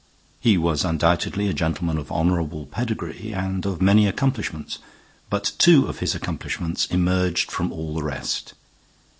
He was undoubtedly a gentleman of honorable pedigree and of many accomplishments, but two of his accomplishments emerged from all the rest.